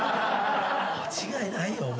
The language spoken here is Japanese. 間違いないよお前。